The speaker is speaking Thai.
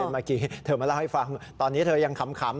เมื่อกี้เธอมาเล่าให้ฟังตอนนี้เธอยังขำ